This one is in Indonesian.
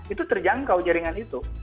itu terjangkau jaringan itu